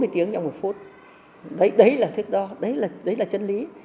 bốn mươi tiếng trong một phút đấy là thuyết đo đấy là chân lý